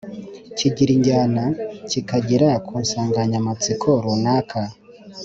kigira injyana kikavuga ku nsanganyamatsiko runaka